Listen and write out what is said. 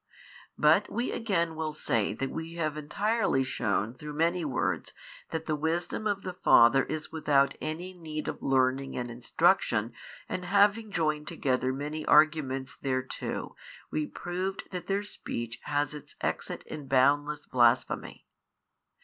But we again will say that we have entirely shewn through many words that the Wisdom of the Father is without any need of learning and instruction and having joined together many arguments thereto, we proved that their speech has its exit in boundless blasphemy.